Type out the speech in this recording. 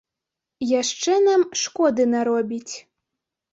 Яшчэ нам шкоды наробіць.